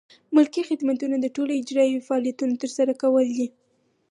ملکي خدمتونه د ټولو اجرایوي فعالیتونو ترسره کول دي.